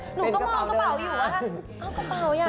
อุ๊ยอะไรนี่หนูก็มองกระเป๋าอยู่นะคะเอากระเป๋าอยากเลือก